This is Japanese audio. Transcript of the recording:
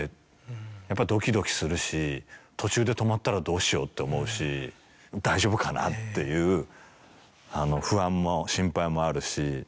途中で止まったらどうしようって思うし大丈夫かなっていう不安も心配もあるし。